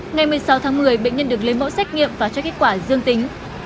ngày một mươi sáu tháng một mươi bệnh nhân được lấy mẫu xét nghiệm và cho kết quả dương tính